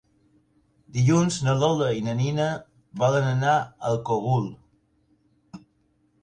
Dilluns na Lola i na Nina volen anar al Cogul.